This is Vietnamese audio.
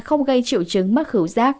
không gây triệu chứng mắc khửu rác